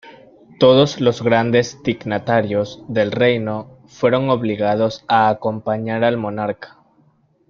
Todos los grandes dignatarios del reino fueron obligados a acompañar al monarca.